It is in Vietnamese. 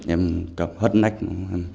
em cầm hớt nách nó